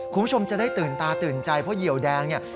คุณผู้ชมจะได้ตื่นตาตื่นใจเพราะเหี่ยวแดงเนี่ย